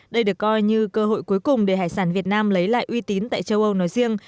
đây được coi như cơ hội cuối cùng để hải sản việt nam lấy lại uy tín tại châu âu nói riêng